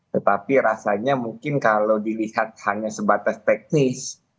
tetapi rasanya mungkin kalau dilihat hanya sebatas teknis